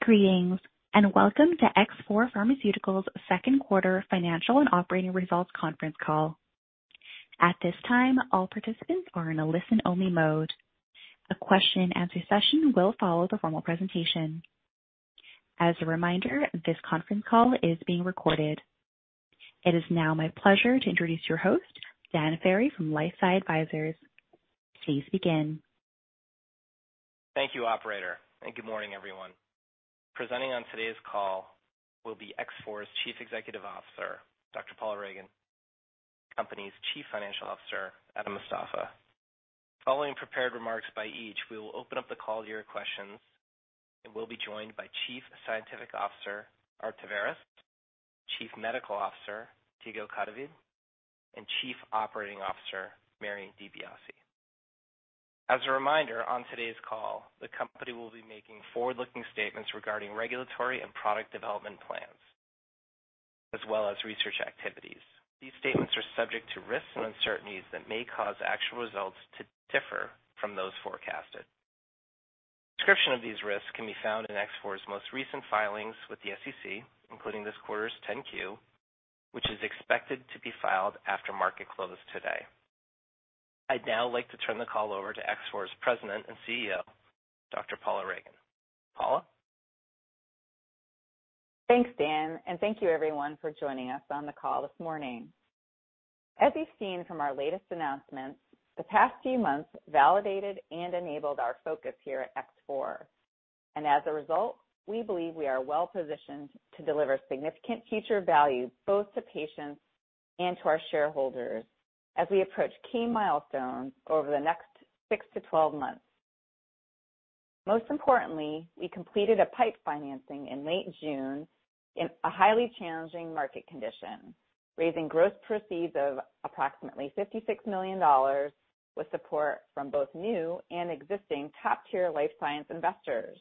Greetings, and welcome to X4 Pharmaceuticals' second quarter financial and operating results conference call. At this time, all participants are in a listen-only mode. A question-and-answer session will follow the formal presentation. As a reminder, this conference call is being recorded. It is now my pleasure to introduce your host, Dan Ferry from LifeSci Advisors. Please begin. Thank you, operator, and good morning, everyone. Presenting on today's call will be X4 Pharmaceuticals' Chief Executive Officer, Dr. Paula Ragan, the company's Chief Financial Officer, Adam Mostafa. Following prepared remarks by each, we will open up the call to your questions and we'll be joined by Chief Scientific Officer Art Taveras, Chief Medical Officer Diego Cadavid, and Chief Operating Officer Mary DiBiase. As a reminder, on today's call, the company will be making forward-looking statements regarding regulatory and product development plans, as well as research activities. These statements are subject to risks and uncertainties that may cause actual results to differ from those forecasted. Description of these risks can be found in X4 Pharmaceuticals' most recent filings with the SEC, including this quarter's 10-Q, which is expected to be filed after market close today. I'd now like to turn the call over to X4 Pharmaceuticals' President and CEO, Dr. Paula Ragan. Paula? Thanks, Dan, and thank you everyone for joining us on the call this morning. As you've seen from our latest announcements, the past few months validated and enabled our focus here at X4. As a result, we believe we are well-positioned to deliver significant future value, both to patients and to our shareholders as we approach key milestones over the next 6 to 12 months. Most importantly, we completed a PIPE financing in late June in a highly challenging market condition, raising gross proceeds of approximately $56 million with support from both new and existing top-tier life science investors.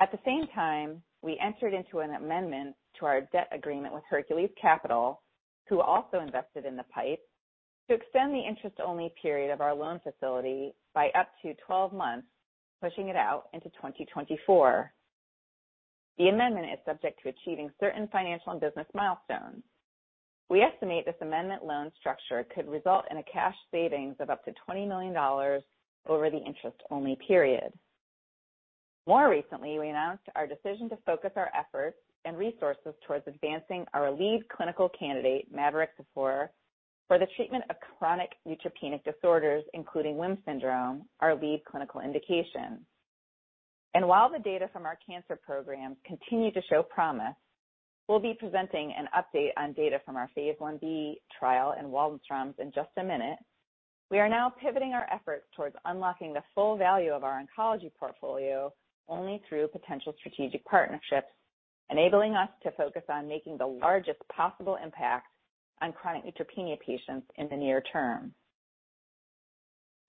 At the same time, we entered into an amendment to our debt agreement with Hercules Capital, who also invested in the PIPE, to extend the interest-only period of our loan facility by up to 12 months, pushing it out into 2024. The amendment is subject to achieving certain financial and business milestones. We estimate this amendment loan structure could result in a cash savings of up to $20 million over the interest-only period. More recently, we announced our decision to focus our efforts and resources towards advancing our lead clinical candidate, mavorixafor, for the treatment of chronic neutropenic disorders, including WHIM syndrome, our lead clinical indication. While the data from our cancer program continue to show promise, we'll be presenting an update on data from our phase Ib trial in Waldenström's in just a minute. We are now pivoting our efforts towards unlocking the full value of our oncology portfolio only through potential strategic partnerships, enabling us to focus on making the largest possible impact on chronic neutropenia patients in the near term.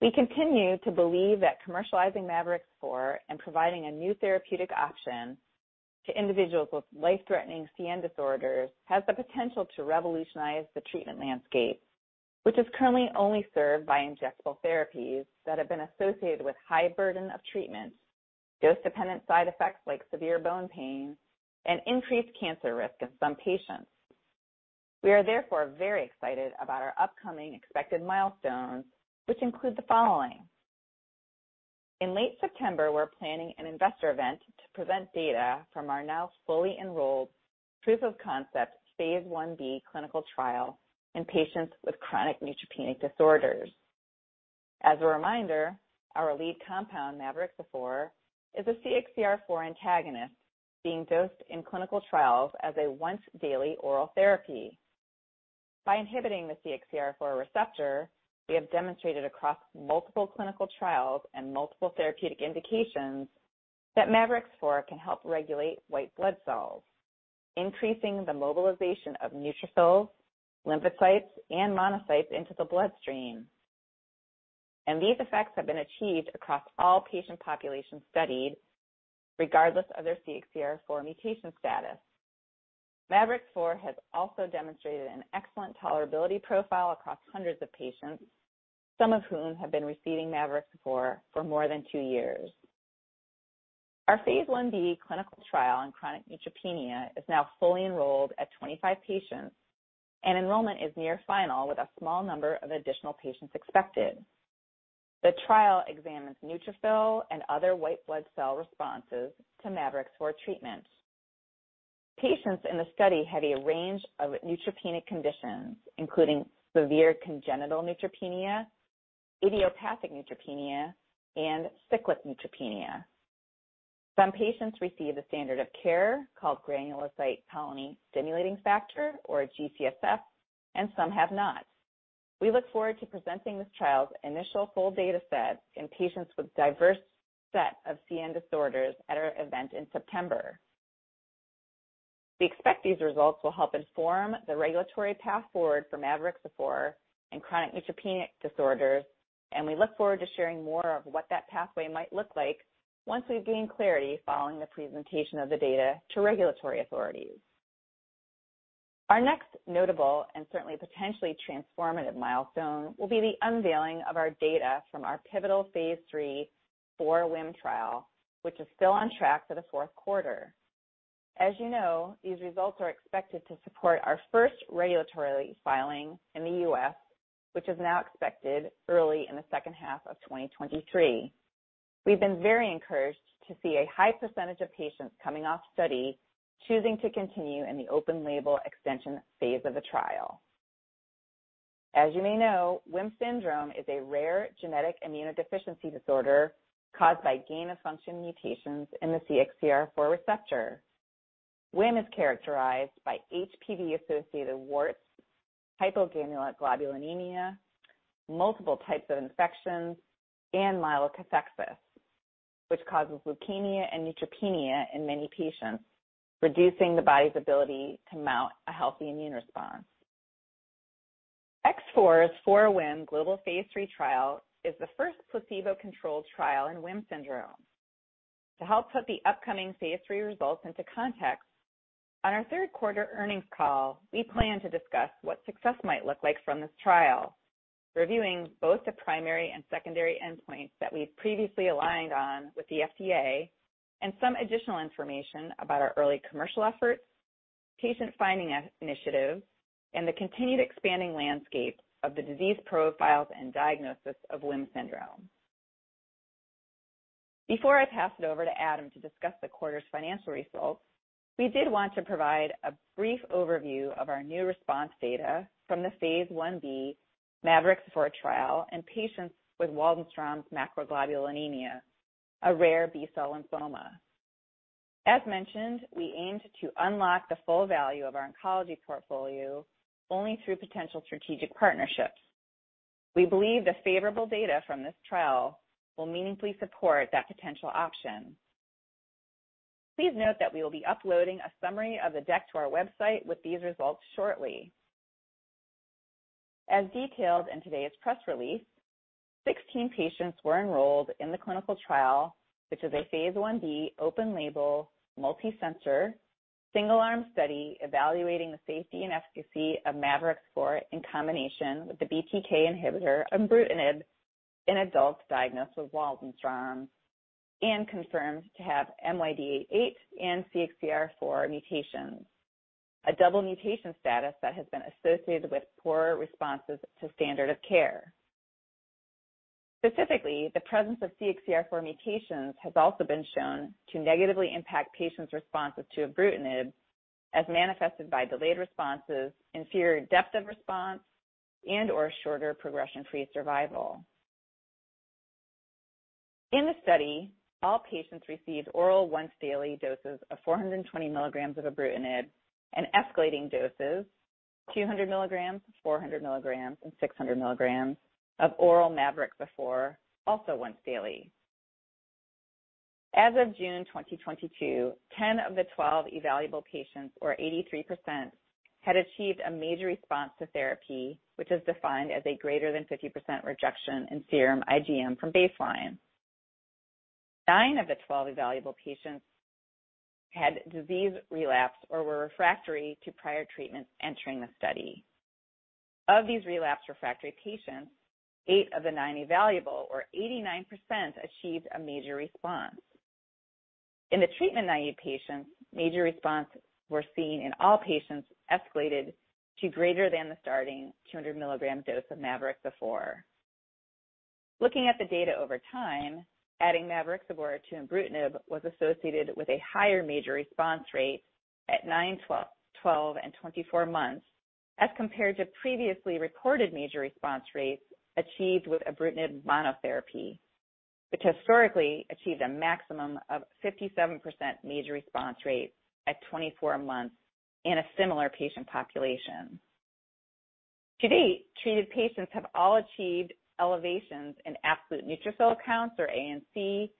We continue to believe that commercializing mavorixafor and providing a new therapeutic option to individuals with life-threatening CN disorders has the potential to revolutionize the treatment landscape, which is currently only served by injectable therapies that have been associated with high burden of treatment, dose-dependent side effects like severe bone pain, and increased cancer risk in some patients. We are therefore very excited about our upcoming expected milestones, which include the following. In late September, we're planning an investor event to present data from our now fully enrolled proof-of-concept phase Ib clinical trial in patients with chronic neutropenic disorders. As a reminder, our lead compound, mavorixafor, is a CXCR4 antagonist being dosed in clinical trials as a once-daily oral therapy. By inhibiting the CXCR4 receptor, we have demonstrated across multiple clinical trials and multiple therapeutic indications that mavorixafor can help regulate white blood cells, increasing the mobilization of neutrophils, lymphocytes, and monocytes into the bloodstream. These effects have been achieved across all patient populations studied regardless of their CXCR4 mutation status. Mavorixafor has also demonstrated an excellent tolerability profile across hundreds of patients, some of whom have been receiving mavorixafor for more than two years. Our phase Ib clinical trial in chronic neutropenia is now fully enrolled at 25 patients, and enrollment is near final with a small number of additional patients expected. The trial examines neutrophil and other white blood cell responses to mavorixafor treatment. Patients in the study have a range of neutropenic conditions, including severe congenital neutropenia, idiopathic neutropenia, and cyclic neutropenia. Some patients receive a standard of care called granulocyte colony-stimulating factor or G-CSF, and some have not. We look forward to presenting this trial's initial full data set in patients with diverse set of CN disorders at our event in September. We expect these results will help inform the regulatory path forward for mavorixafor in chronic neutropenic disorders, and we look forward to sharing more of what that pathway might look like once we've gained clarity following the presentation of the data to regulatory authorities. Our next notable and certainly potentially transformative milestone will be the unveiling of our data from our pivotal Phase 3 4WHIM trial, which is still on track for the fourth quarter. As you know, these results are expected to support our first regulatory filing in the U.S., which is now expected early in the second half of 2023. We've been very encouraged to see a high percentage of patients coming off study choosing to continue in the open label extension phase of the trial. As you may know, WHIM syndrome is a rare genetic immunodeficiency disorder caused by gain-of-function mutations in the CXCR4 receptor. WHIM is characterized by HPV-associated warts, hypogammaglobulinemia, multiple types of infections, and myelokathexis, which causes leukemia and neutropenia in many patients, reducing the body's ability to mount a healthy immune response. X4's 4WHIM global phase III trial is the first placebo-controlled trial in WHIM syndrome. To help put the upcoming phase III results into context, on our third quarter earnings call, we plan to discuss what success might look like from this trial, reviewing both the primary and secondary endpoints that we've previously aligned on with the FDA and some additional information about our early commercial efforts, patient finding initiatives, and the continued expanding landscape of the disease profiles and diagnosis of WHIM syndrome. Before I pass it over to Adam to discuss the quarter's financial results, we did want to provide a brief overview of our new response data from the phase Ib mavorixafor trial in patients with Waldenström’s macroglobulinemia, a rare B-cell lymphoma. As mentioned, we aimed to unlock the full value of our oncology portfolio only through potential strategic partnerships. We believe the favorable data from this trial will meaningfully support that potential option. Please note that we will be uploading a summary of the deck to our website with these results shortly. As detailed in today's press release, 16 patients were enrolled in the clinical trial, which is a phase Ib open-label, multicenter, single-arm study evaluating the safety and efficacy of mavorixafor in combination with the BTK inhibitor ibrutinib in adults diagnosed with Waldenström's and confirmed to have MYD88 and CXCR4 mutations, a double mutation status that has been associated with poor responses to standard of care. Specifically, the presence of CXCR4 mutations has also been shown to negatively impact patients' responses to ibrutinib as manifested by delayed responses, inferior depth of response, and/or shorter progression-free survival. In the study, all patients received oral once-daily doses of 420 milligrams of ibrutinib and escalating doses, 200 milligrams, 400 milligrams, and 600 milligrams of oral mavorixafor, also once daily. As of June 2022, 10 of the 12 evaluable patients, or 83%, had achieved a major response to therapy, which is defined as a greater than 50% reduction in serum IgM from baseline. Nine of the 12 evaluable patients had disease relapse or were refractory to prior treatment entering the study. Of these relapsed/refractory patients, 8 of the 9 evaluable or 89% achieved a major response. In the treatment-naïve patients, major responses were seen in all patients escalated to greater than the starting 200 milligram dose of mavorixafor. Looking at the data over time, adding mavorixafor to ibrutinib was associated with a higher major response rate at 9, 12, and 24 months as compared to previously recorded major response rates achieved with ibrutinib monotherapy, which historically achieved a maximum of 57% major response rate at 24 months in a similar patient population. To date, treated patients have all achieved elevations in absolute neutrophil counts or ANC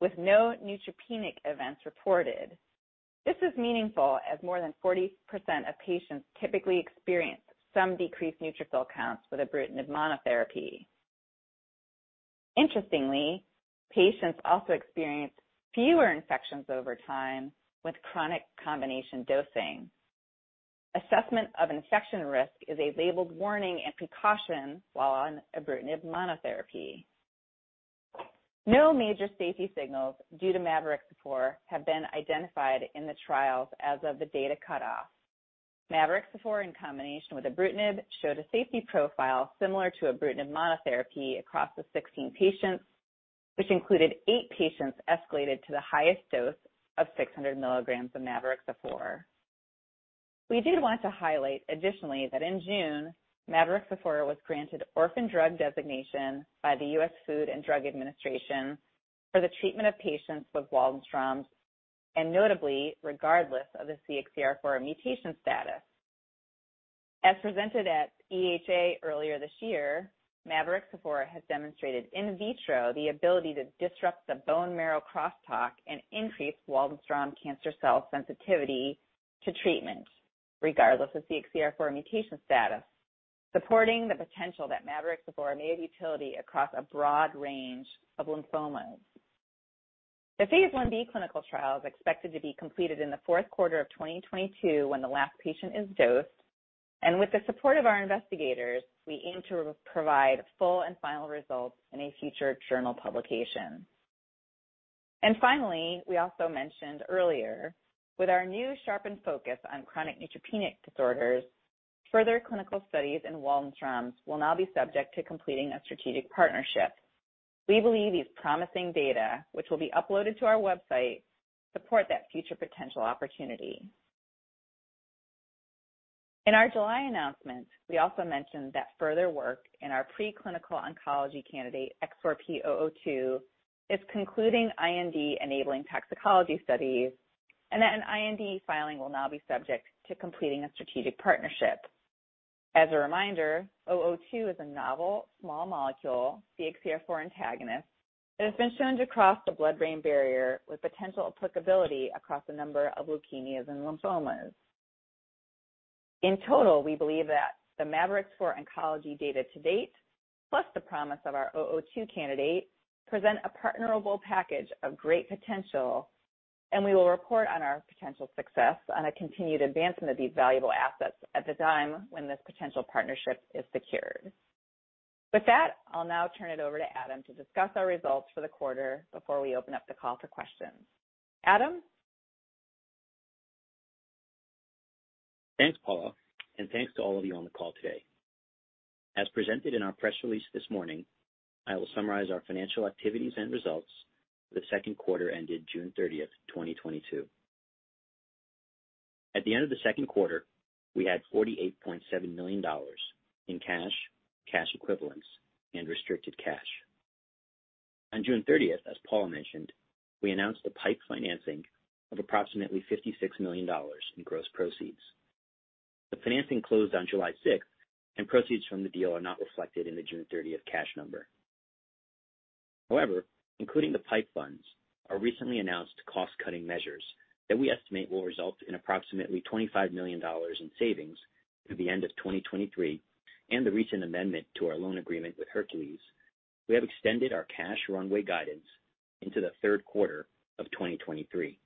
with no neutropenic events reported. This is meaningful as more than 40% of patients typically experience some decreased neutrophil counts with ibrutinib monotherapy. Interestingly, patients also experienced fewer infections over time with chronic combination dosing. Assessment of infection risk is a labeled warning and precaution while on ibrutinib monotherapy. No major safety signals due to mavorixafor have been identified in the trials as of the data cut-off. Mavorixafor in combination with ibrutinib showed a safety profile similar to ibrutinib monotherapy across the 16 patients, which included 8 patients escalated to the highest dose of 600 milligrams of mavorixafor. We did want to highlight additionally that in June, mavorixafor was granted Orphan Drug Designation by the U.S. Food & Drug Administration for the treatment of patients with Waldenström's and notably regardless of the CXCR4 mutation status. As presented at EHA earlier this year, mavorixafor has demonstrated in vitro the ability to disrupt the bone marrow crosstalk and increase Waldenström's cancer cell sensitivity to treatment regardless of CXCR4 mutation status, supporting the potential that mavorixafor may have utility across a broad range of lymphomas. The phase Ib clinical trial is expected to be completed in the fourth quarter of 2022 when the last patient is dosed. With the support of our investigators, we aim to provide full and final results in a future journal publication. Finally, we also mentioned earlier with our new sharpened focus on chronic neutropenic disorders, further clinical studies in Waldenström’s will now be subject to completing a strategic partnership. We believe these promising data, which will be uploaded to our website, support that future potential opportunity. In our July announcement, we also mentioned that further work in our preclinical oncology candidate, X4P-002, is concluding IND-enabling toxicology studies and that an IND filing will now be subject to completing a strategic partnership. As a reminder, X4P-002 is a novel small molecule CXCR4 antagonist that has been shown to cross the blood-brain barrier with potential applicability across a number of leukemias and lymphomas. In total, we believe that the mavorixafor oncology data to date, plus the promise of our X4P-002 candidate, present a partnerable package of great potential, and we will report on our potential success on a continued advancement of these valuable assets at the time when this potential partnership is secured. With that, I'll now turn it over to Adam to discuss our results for the quarter before we open up the call for questions. Adam? Thanks, Paula, and thanks to all of you on the call today. As presented in our press release this morning, I will summarize our financial activities and results for the second quarter ended June 30, 2022. At the end of the second quarter, we had $48.7 million in cash, cash equivalents, and restricted cash. On June 30, as Paula mentioned, we announced the PIPE financing of approximately $56 million in gross proceeds. The financing closed on July 6, and proceeds from the deal are not reflected in the June 30 cash number. However, including the PIPE funds, our recently announced cost-cutting measures that we estimate will result in approximately $25 million in savings through the end of 2023 and the recent amendment to our loan agreement with Hercules Capital, we have extended our cash runway guidance into the third quarter of 2023.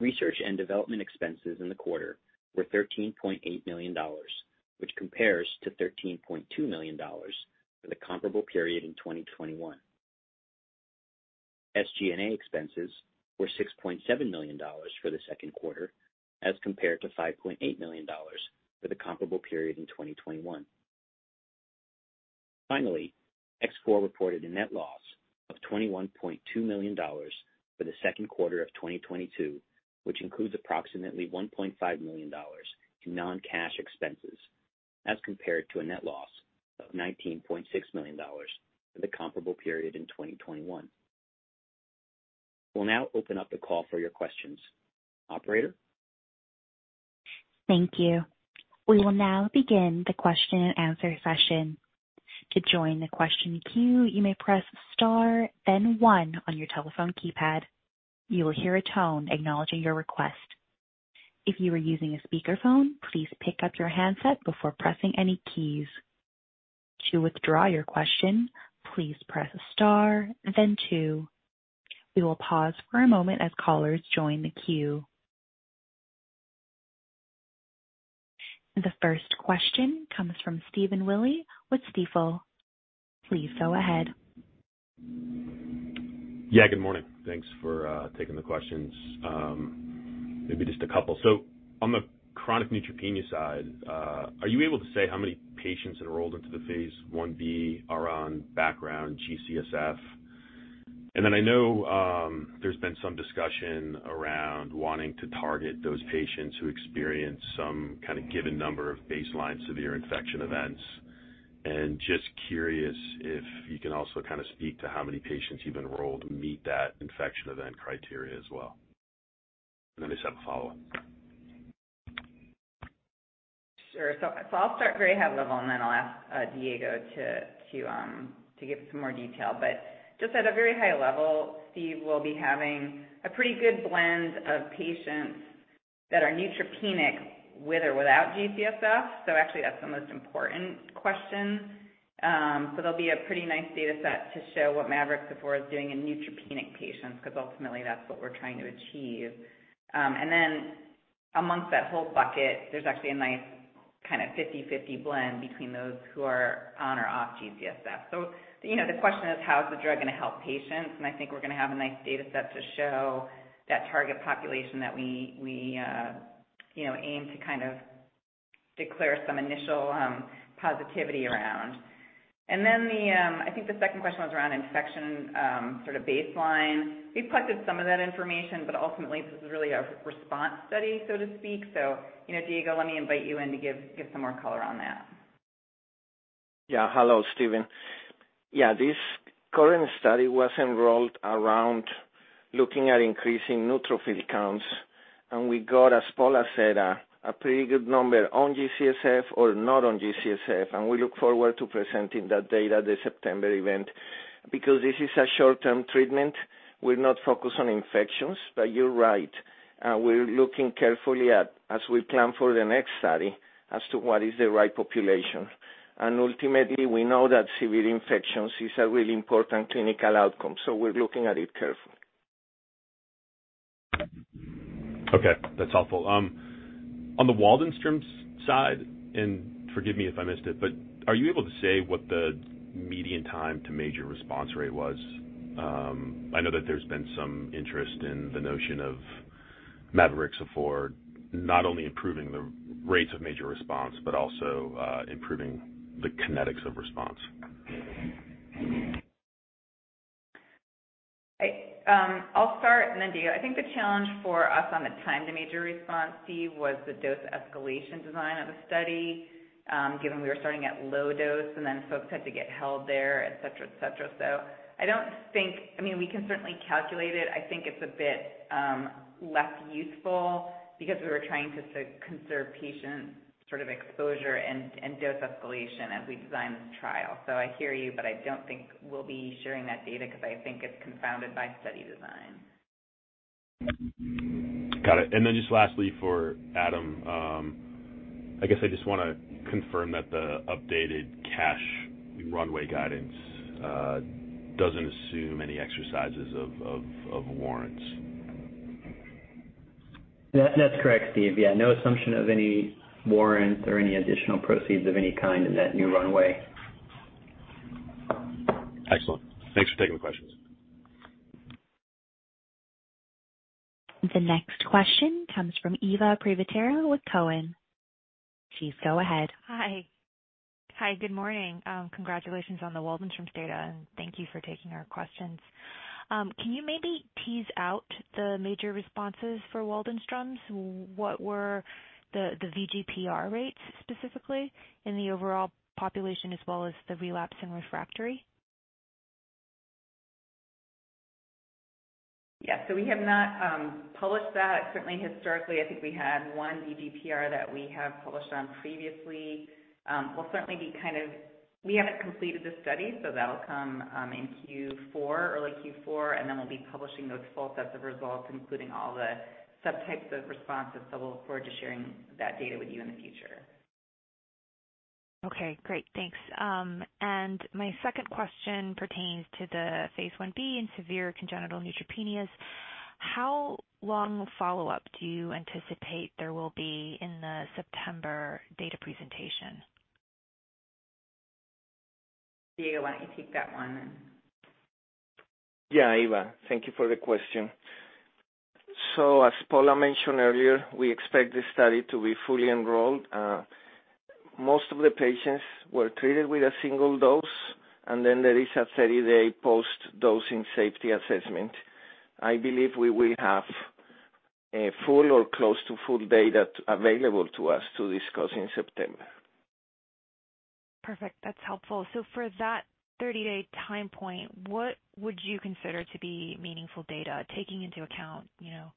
Research and Development Expenses in the quarter were $13.8 million, which compares to $13.2 million for the comparable period in 2021. SG&A Expenses were $6.7 million for the second quarter as compared to $5.8 million for the comparable period in 2021. Finally, X4 reported a net loss of $21.2 million for the second quarter of 2022, which includes approximately $1.5 million in non-cash expenses as compared to a net loss of $19.6 million for the comparable period in 2021. We'll now open up the call for your questions. Operator? Thank you. We will now begin the question-and-answer session. To join the question queue, you may press star then one on your telephone keypad. You will hear a tone acknowledging your request. If you are using a speakerphone, please pick up your handset before pressing any keys. To withdraw your question, please press star then two. We will pause for a moment as callers join the queue. The first question comes from Stephen Willey with Stifel. Please go ahead. Yeah, good morning. Thanks for taking the questions. Maybe just a couple. On the chronic neutropenia side, are you able to say how many patients enrolled into the phase Ib are on background G-CSF? I know there's been some discussion around wanting to target those patients who experience some kind of given number of baseline severe infection events. Just curious if you can also kind of speak to how many patients you've enrolled meet that infection event criteria as well. I just have a follow-up. Sure. I'll start very high level, and then I'll ask Diego to give some more detail. Just at a very high level, Steve, we'll be having a pretty good blend of patients that are neutropenic with or without G-CSF. Actually that's the most important question. There'll be a pretty nice data set to show what mavorixafor is doing in neutropenic patients because ultimately that's what we're trying to achieve. Amongst that whole bucket, there's actually a nice kind of 50/50 blend between those who are on or off G-CSF. You know, the question is how is the drug gonna help patients? I think we're gonna have a nice data set to show that target population that we aim to kind of declare some initial positivity around. I think the second question was around infection, sort of baseline. We've collected some of that information, but ultimately this is really a response study, so to speak. You know, Diego, let me invite you in to give some more color on that. Hello, Stephen. This current study was enrolled around looking at increasing neutrophil counts, and we got, as Paula said, a pretty good number on G-CSF or not on G-CSF, and we look forward to presenting that data at the September event. Because this is a short-term treatment, we're not focused on infections. But you're right, we're looking carefully at, as we plan for the next study as to what is the right population. Ultimately, we know that severe infections is a really important clinical outcome, so we're looking at it carefully. Okay, that's helpful. On the Waldenström's side, and forgive me if I missed it, but are you able to say what the median time to major response rate was? I know that there's been some interest in the notion of mavorixafor not only improving the rates of major response but also, improving the kinetics of response. I'll start, and then Diego. I think the challenge for us on the time to major response, Steve, was the dose escalation design of the study, given we were starting at low dose, and then folks had to get held there, et cetera, et cetera. I don't think. I mean, we can certainly calculate it. I think it's a bit less useful because we were trying to conserve patient sort of exposure and dose escalation as we designed this trial. I hear you, but I don't think we'll be sharing that data because I think it's confounded by study design. Got it. Just lastly for Adam, I guess I just wanna confirm that the updated cash runway guidance doesn't assume any exercises of warrants. That's correct, Stephen. Yeah, no assumption of any warrants or any additional proceeds of any kind in that new runway. Excellent. Thanks for taking the questions. The next question comes from Eva Privitera with Cowen. Please go ahead. Hi. Hi, good morning. Congratulations on the Waldenström’s data, and thank you for taking our questions. Can you maybe tease out the major responses for Waldenström’s? What were the VGPR rates specifically in the overall population as well as the relapsed and refractory? Yeah. We have not published that. Certainly, historically, I think we had one VGPR that we have published on previously. We haven't completed the study, so that'll come in Q4, early Q4, and then we'll be publishing those full sets of results, including all the subtypes of responses. We'll look forward to sharing that data with you in the future. Okay, great. Thanks. My second question pertains to the phase Ib in severe congenital neutropenia. How long follow-up do you anticipate there will be in the September data presentation? Diego, why don't you take that one. Yeah. Eva, thank you for the question. As Paula mentioned earlier, we expect the study to be fully enrolled. Most of the patients were treated with a single dose, and then there is a 30-day post-dosing safety assessment. I believe we will have a full or close to full data available to us to discuss in September. Perfect. That's helpful. For that 30-day time point, what would you consider to be meaningful data taking into account, you know,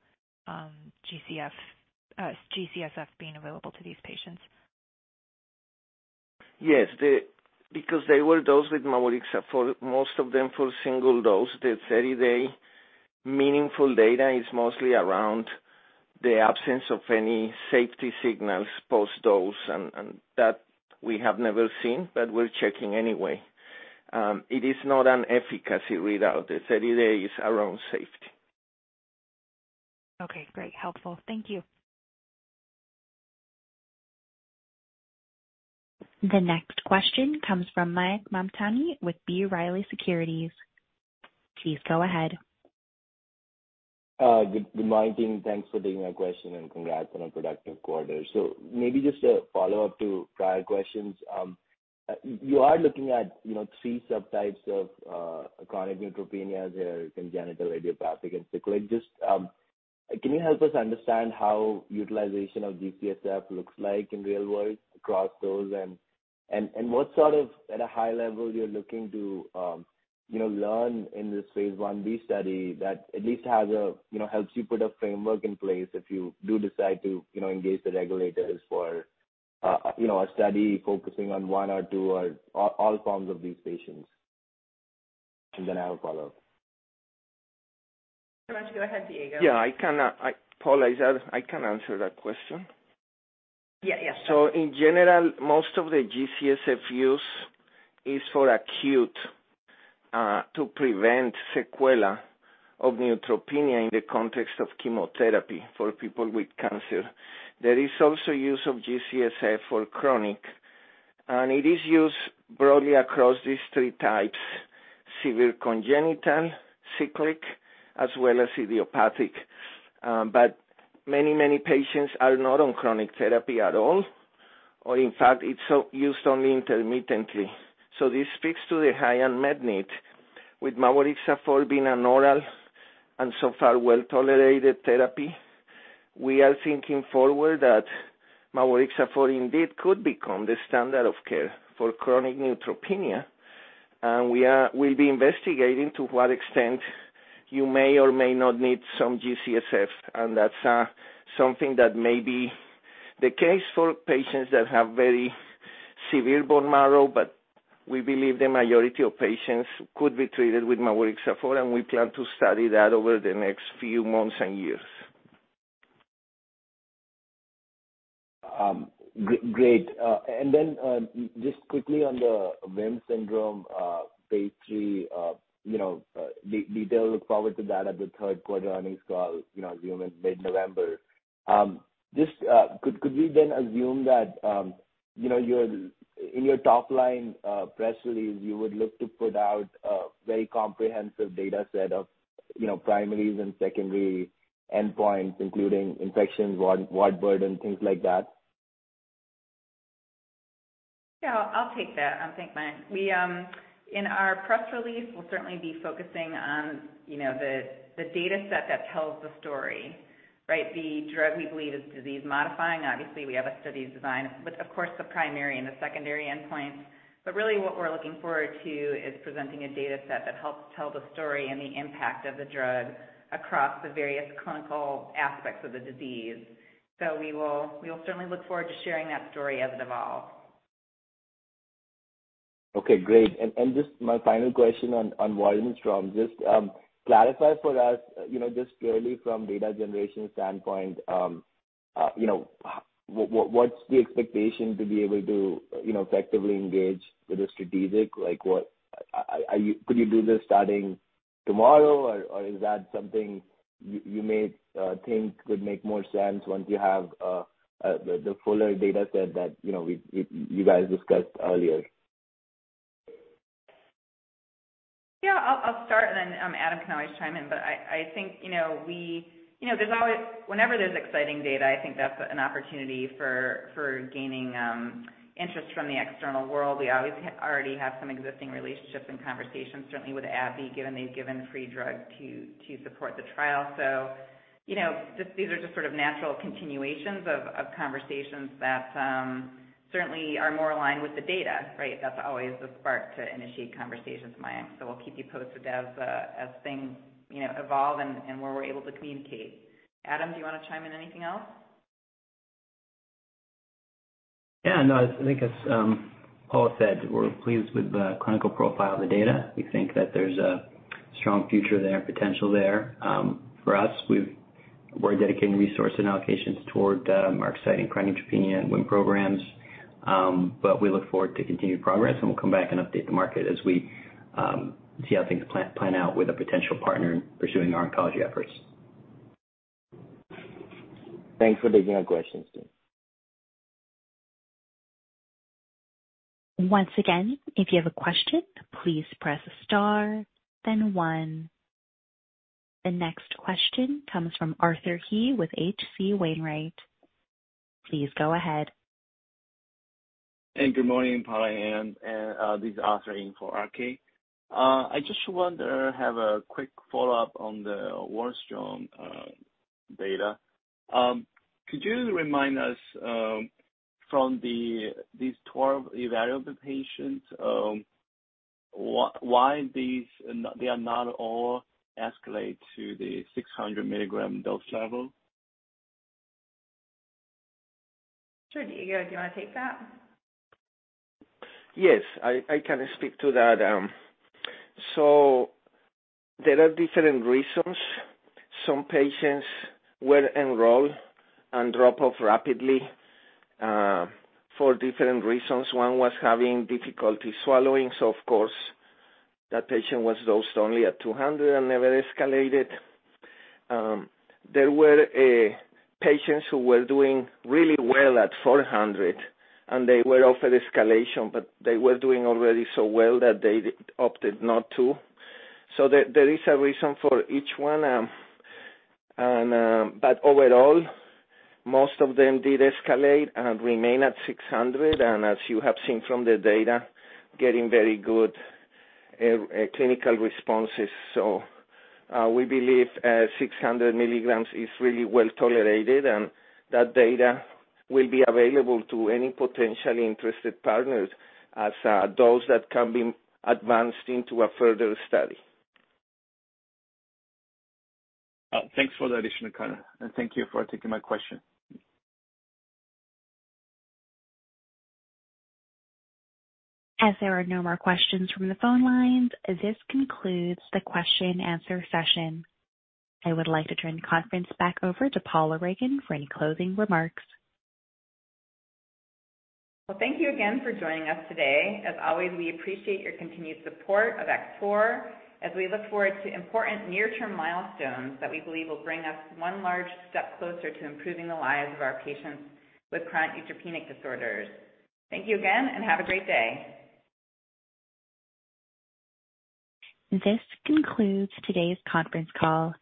G-CSF being available to these patients? Yes. Because they were dosed with mavorixafor, most of them for single dose. The 30-day meaningful data is mostly around the absence of any safety signals post-dose, and that we have never seen, but we're checking anyway. It is not an efficacy readout. The 30-day is around safety. Okay, great. Helpful. Thank you. The next question comes from Mayank Mamtani with B. Riley Securities. Please go ahead. Good morning. Thanks for taking my question, and congrats on a productive quarter. Maybe just a follow-up to prior questions. You are looking at, you know, three subtypes of chronic neutropenia. They're congenital, idiopathic, and cyclic. Just can you help us understand how utilization of G-CSF looks like in real world across those and what sort of at a high level you're looking to, you know, learn in this phase Ib study that at least you know helps you put a framework in place if you do decide to, you know, engage the regulators for a study focusing on one or two or all forms of these patients? Then I will follow up. Why don't you go ahead, Diego? Yeah, I can, Paula, I can answer that question. In general, most of the G-CSF use is for acute to prevent sequelae of neutropenia in the context of chemotherapy for people with cancer. There is also use of G-CSF for chronic, and it is used broadly across these three types, severe congenital, cyclic, as well as idiopathic. Many patients are not on chronic therapy at all, or in fact it's also used only intermittently. This speaks to the high unmet need. With mavorixafor being an oral and so far well-tolerated therapy, we are thinking forward that mavorixafor indeed could become the standard of care for chronic neutropenia. We'll be investigating to what extent you may or may not need some G-CSF, and that's something that may be the case for patients that have very severe bone marrow. We believe the majority of patients could be treated with mavorixafor, and we plan to study that over the next few months and years. Great. Just quickly on the WHIM syndrome, Phase 3, you know, detailed look forward to that at the third quarter earnings call, you know, assuming mid-November. Just, could we then assume that, you know, in your top-line press release, you would look to put out a very comprehensive data set of, you know, primaries and secondary endpoints, including infections, wart burden, things like that? Yeah, I'll take that. Thanks, Mayank. We in our press release, we'll certainly be focusing on, you know, the data set that tells the story, right? The drug we believe is disease modifying. Obviously, we have a study design with, of course, the primary and the secondary endpoints. Really what we're looking forward to is presenting a data set that helps tell the story and the impact of the drug across the various clinical aspects of the disease. We'll certainly look forward to sharing that story as it evolves. Okay, great. Just my final question on Waldenström’s. Just clarify for us, you know, just purely from data generation standpoint, you know, what's the expectation to be able to, you know, effectively engage with a strategic? Like, could you do this starting tomorrow, or is that something you may think could make more sense once you have the fuller data set that, you know, we, you guys discussed earlier? I'll start and then Adam can always chime in. I think you know there's always whenever there's exciting data, I think that's an opportunity for gaining interest from the external world. We already have some existing relationships and conversations, certainly with AbbVie, given they've given free drugs to support the trial. You know, just these are just sort of natural continuations of conversations that certainly are more aligned with the data, right? That's always the spark to initiate conversations, Mayank. We'll keep you posted as things you know evolve and where we're able to communicate. Adam, do you wanna chime in anything else? Yeah, no, I think as Paula said, we're pleased with the clinical profile of the data. We think that there's a strong future there, potential there, for us. We're dedicating resource and allocations toward our exciting chronic neutropenia and WHIM programs. We look forward to continued progress, and we'll come back and update the market as we see how things plan out with a potential partner pursuing our oncology efforts. Thanks for taking our questions today. Once again, if you have a question, please press star then one. The next question comes from Arthur He with H.C. Wainwright. Please go ahead. Good morning, Paula Ragan. This is Arthur He in for RK. I just wanted to have a quick follow-up on the Waldenström’s data. Could you remind us from these 12 evaluable patients why they are not all escalated to the 600 mg dose level? Sure. Diego, do you wanna take that? Yes, I can speak to that. There are different reasons. Some patients were enrolled and drop off rapidly for different reasons. One was having difficulty swallowing, so of course that patient was dosed only at 200 and never escalated. There were patients who were doing really well at 400, and they were offered escalation, but they were doing already so well that they opted not to. There is a reason for each one. Overall, most of them did escalate and remain at 600. As you have seen from the data, getting very good clinical responses. We believe 600 milligrams is really well-tolerated, and that data will be available to any potentially interested partners as those that can be advanced into a further study. Thanks for the additional color, and thank you for taking my question. As there are no more questions from the phone lines, this concludes the question and answer session. I would like to turn the conference back over to Paula Ragan for any closing remarks. Well, thank you again for joining us today. As always, we appreciate your continued support of X4 Pharmaceuticals as we look forward to important near-term milestones that we believe will bring us one large step closer to improving the lives of our patients with chronic neutropenic disorders. Thank you again, and have a great day. This concludes today's conference call.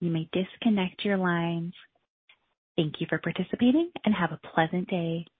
You may disconnect your lines. Thank you for participating and have a pleasant day.